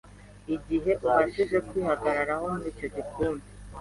Igihe ubashije kwihagararaho muri icyo gikundi